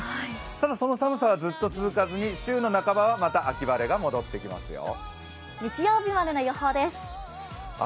ただその寒さはずっと続かずに週の半ばは、また秋晴れが戻ってきますよ。